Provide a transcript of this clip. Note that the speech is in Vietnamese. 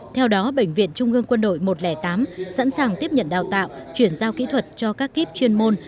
theo đó bệnh viện trung ương quân đội một trăm linh tám sẵn sàng tiếp nhận đào tạo chuyển giao kỹ thuật cho các kíp chuyên môn